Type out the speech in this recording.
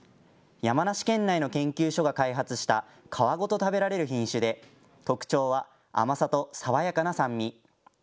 山梨県内の研究所が開発した皮ごと食べられる品種で、特徴は、甘さと爽やかな酸味。